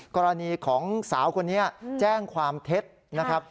กรณีของสาวคนนี้แจ้งความเท็จ